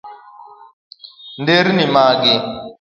Nderni mangi